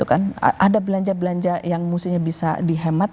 ada belanja belanja yang mestinya bisa dihemat